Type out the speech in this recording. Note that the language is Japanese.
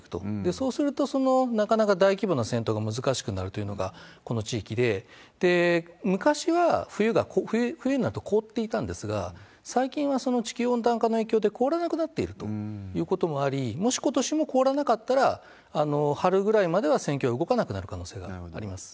そうすると、なかなか大規模な戦闘が難しくなるというのが、この地域で、昔は冬になると凍っていたんですが、最近は地球温暖化の影響で、凍らなくなっているということもあり、もしことしも凍らなかったら、春ぐらいまでは戦況が動かなくなるおそれがあります。